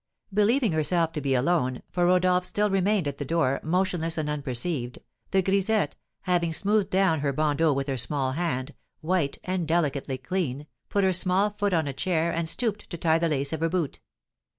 Believing herself to be alone (for Rodolph still remained at the door, motionless and unperceived), the grisette, having smoothed down her bandeaux with her small hand, white and delicately clean, put her small foot on a chair and stooped to tie the lace of her boot.